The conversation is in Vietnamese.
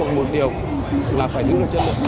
là phải giữ lại chất lượng